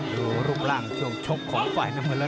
ดูรูปร่างช่วงชบของไฟล์น้ำเงินละ